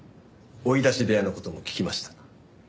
追い出し部屋の事も聞きました。